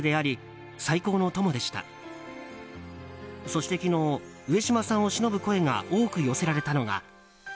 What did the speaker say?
そして昨日上島さんをしのぶ声が多く寄せられたのが。